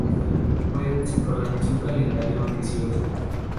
Goetz organizó un calendario ambicioso.